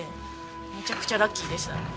めちゃくちゃラッキーでした。